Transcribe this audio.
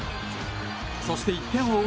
そして１点を追う